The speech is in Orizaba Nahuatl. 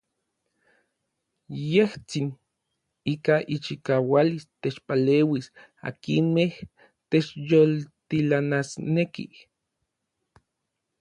Yejtsin ika ichikaualis techpaleuis akinmej techyoltilanasnekij.